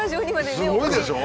すごいでしょう！